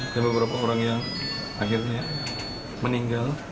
dan beberapa orang yang akhirnya meninggal